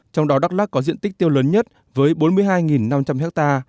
trong đó đắk lắc có diện tích tiêu lớn nhất với bốn mươi hai năm trăm linh ha